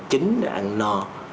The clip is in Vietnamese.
chín để ăn no